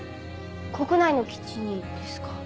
国内の基地にですか？